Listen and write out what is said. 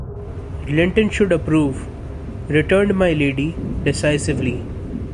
'Linton should approve,’ returned my lady, decisively.